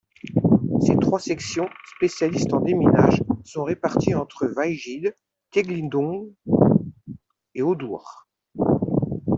Ses trois sections, spécialistes en déminage, sont réparties entre Wajid, Tayeeglon et Oddur.